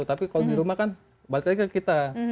tapi kalau di rumah kan balik lagi ke kita